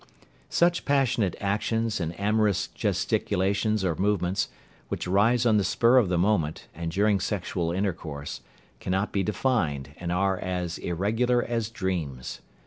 Such passionate actions and amorous gesticulations or movements, which arise on the spur of the moment, and during sexual intercourse, cannot be defined, and are as irregular as dreams.